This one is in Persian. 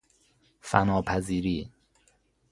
فنا پذیری